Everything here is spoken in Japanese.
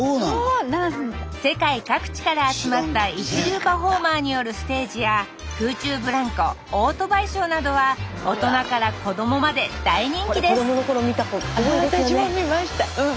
世界各地から集まった一流パフォーマーによるステージや空中ブランコオートバイショーなどは大人から子供まで大人気ですこれ子供の頃見た子多いですよね。